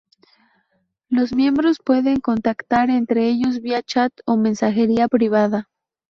Los miembros pueden contactar entre ellos vía chat o mensajería privada.